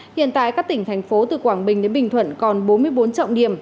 hiện tại các tỉnh thành phố từ quảng bình đến bình thuận còn bốn mươi bốn trọng điểm